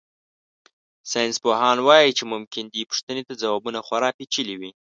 ساینسپوهان وایي چې ممکن دې پوښتنې ته ځوابونه خورا پېچلي وي.